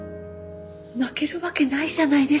泣けるわけないじゃないですか。